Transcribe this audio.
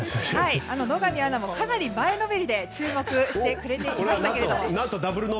野上アナもかなり前のめりで注目してくれていましたけど。